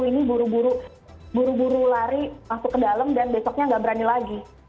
ini buru buru lari masuk ke dalam dan besoknya nggak berani lagi